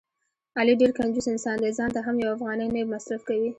علي ډېر کنجوس انسان دی.ځانته هم یوه افغانۍ نه مصرف کوي.